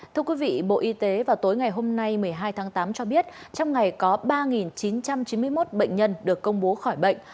thưa quý vị bộ y tế vào tối ngày hôm nay một mươi hai tháng tám cho biết trong ngày có ba chín trăm chín mươi một bệnh nhân được công bố khỏi bệnh